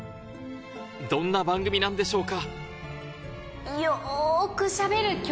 どんな番組なんでしょうか？